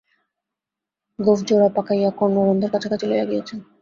গোঁফজোড়া পাকাইয়া কর্ণরন্ধ্রের কাছাকাছি লইয়া গিয়াছেন।